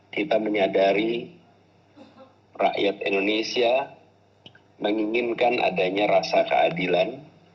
kita menyadari rakyat indonesia menginginkan adanya rasa keadilan